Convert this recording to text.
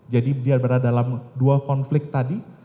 jadi dia berada dalam dua konflik tadi